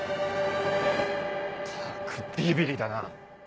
ったくビビりだな！